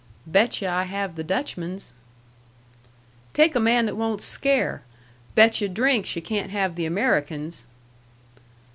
"Bet yu' I have the Dutchman's." "Take a man that won't scare. Bet yu' drinks yu' can't have the American's."